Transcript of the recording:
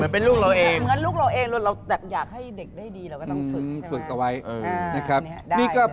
เป็นลูกเราเองเราอยากให้เด็กได้ดีเราก็ต้องฝึก